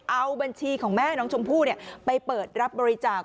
เอาบัญชีของแม่น้องชมพู่ไปเปิดรับบริจาค